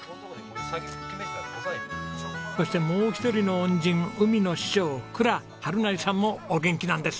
そしてもう一人の恩人海の師匠倉治成さんもお元気なんです。